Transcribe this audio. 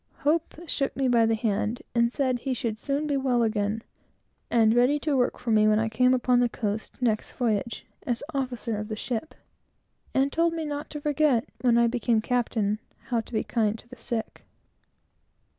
Hope shook me by the hand, said he should soon be well again, and ready to work for me when I came upon the coast, next voyage, as officer of the ship; and told me not to forget, when I became captain, how to be kind to the sick.